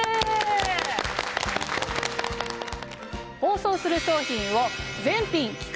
放送する商品を全品期間